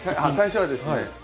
最初はですね